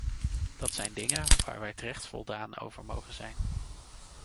Dat zijn dingen waar wij terecht voldaan over mogen zijn.